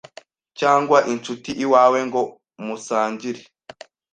cyangwa inshuti iwawe ngo musangire,